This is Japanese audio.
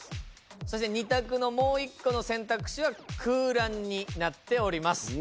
そして２択のもう１個の選択肢は空欄になっております。